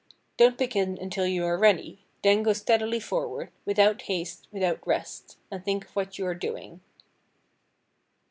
Don't begin until you are ready; then go steadily forward, "without haste, without rest," and think of what you are doing.